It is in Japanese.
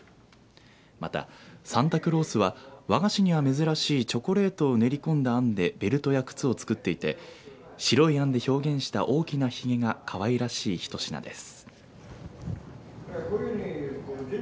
またサンタクロースは和菓子には珍しいチョコレートを練り込んだあんでベルトや靴を作っていて白いあんで表現した大きなひげがかわいらしい１品です。